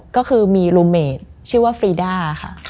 ก็คือมีลูเมดชื่อว่าฟรีด้าค่ะ